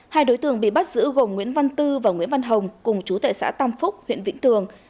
hai đối tượng bị bắt giữ gồm nguyễn văn tư và nguyễn văn hồng cùng chú tại xã tam phúc huyện vĩnh tường